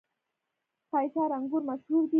قیصار انګور مشهور دي؟